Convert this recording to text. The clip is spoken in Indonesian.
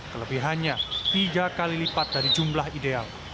kelebihannya tiga kali lipat dari jumlah ideal